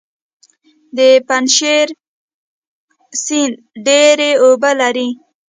د پنجشیر سیند ډیرې اوبه لري